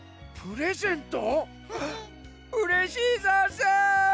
うれしいざんす！